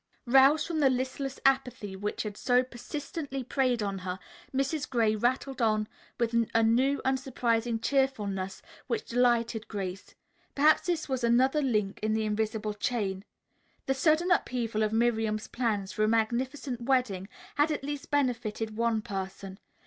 Roused from the listless apathy which had so persistently preyed upon her, Mrs. Gray rattled on with a new and surprising cheerfulness which delighted Grace. Perhaps this was another link in the invisible chain. The sudden upheaval of Miriam's plans for a magnificent wedding had at least benefited one person.